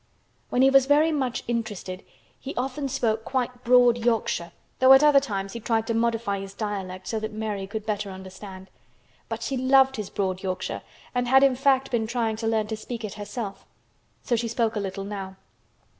When he was very much interested he often spoke quite broad Yorkshire though at other times he tried to modify his dialect so that Mary could better understand. But she loved his broad Yorkshire and had in fact been trying to learn to speak it herself. So she spoke a little now.